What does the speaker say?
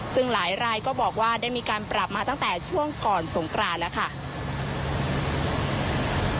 ซึ่งหลายรายก็บอกว่าได้มีการปรับมาตั้งแต่ช่วงก่อนสงกรานแล้วค่ะ